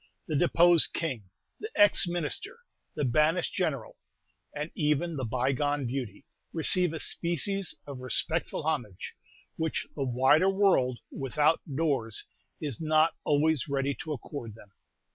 The deposed king, the ex minister, the banished general, and even the bygone beauty, receive a species of respectful homage, which the wider world without doors is not always ready to accord them.